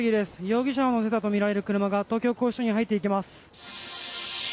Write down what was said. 容疑者を乗せたとみられる車が東京拘置所に入っていきます。